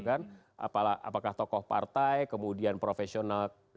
apakah tokoh partai kemudian profesional